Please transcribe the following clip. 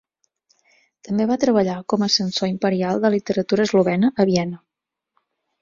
També va treballar com a censor imperial de literatura eslovena a Viena.